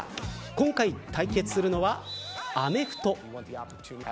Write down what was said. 今回、対決するのはアメフト。